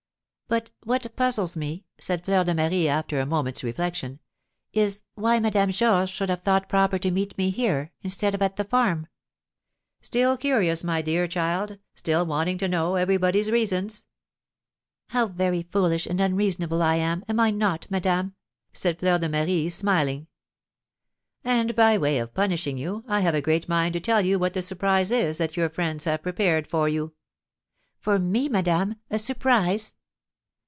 "But what puzzles me," said Fleur de Marie, after a moment's reflection, "is, why Madame Georges should have thought proper to meet me here, instead of at the farm." "Still curious, my dear child, still wanting to know everybody's reasons." "How very foolish and unreasonable I am, am I not, madame?" said Fleur de Marie, smiling. "And, by way of punishing you, I have a great mind to tell you what the surprise is that your friends have prepared for you." "For me, madame, a surprise?"